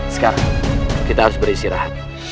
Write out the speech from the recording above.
sekarang kita harus berisirah